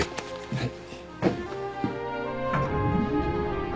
えっ？